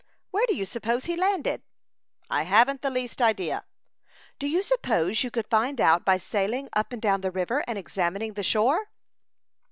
"Where do you suppose he landed?" "I haven't the least idea." "Do you suppose you could find out by sailing up and down the river, and examining the shore?"